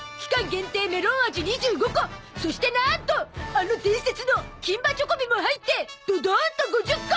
限定メロン味２５個そしてなんとあの伝説の金歯チョコビも入ってドドーンと５０個！